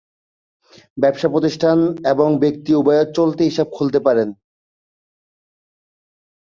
ব্যবসা প্রতিষ্ঠান এবং ব্যক্তি উভয়েই চলতি হিসাব খুলতে পারেন।